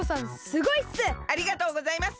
すごいっす！